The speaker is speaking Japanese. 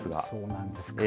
そうなんです。